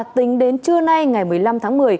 tính đến trưa nay ngày một mươi năm tháng một mươi